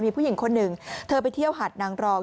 มีผู้หญิงคนหนึ่งเธอไปเที่ยวหาดนางรอง